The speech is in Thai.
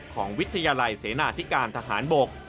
ต่างประเทศของวิทยาลัยเสนาธิการทหารบก